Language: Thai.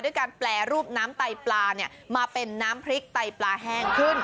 ด้วยการแปลรูปน้ำไต้ปลาเนี่ยมาเป็นน้ำพริกไต้ปลาแห้งขึ้น